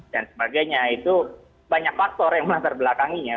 dan sebagainya itu banyak faktor yang melantar belakanginya